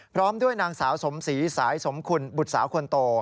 พร้อมด้วยนางสาวสมศรีสายสมคุณบุตรสาวคนโต